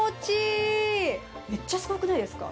めっちゃすごくないですか？